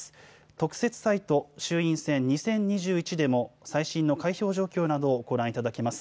特設サイト衆院選２０２１でも、最新の開票状況などをご覧いただけます。